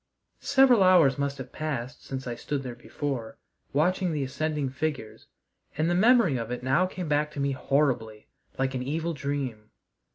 Several hours must have passed since I stood there before, watching the ascending figures, and the memory of it now came back to me horribly, like an evil dream.